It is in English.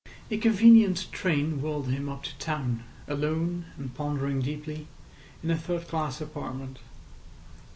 A convenient train whirled him up to town, alone and pondering deeply, in a third class compartment.